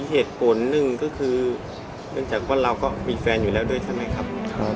เหตุผลหนึ่งก็คือเนื่องจากว่าเราก็มีแฟนอยู่แล้วด้วยใช่ไหมครับ